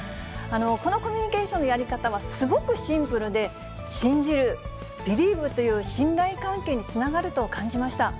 このコミュニケーションのやり方はすごくシンプルで、信じる、ビリーブという信頼関係につながると感じました。